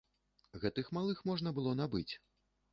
Гэтых малых можна было набыць.